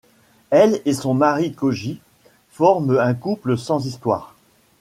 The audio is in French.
Elle et son mari Koji forment un couple sans histoire.